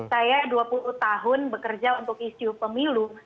saya dua puluh tahun bekerja untuk isu pemilu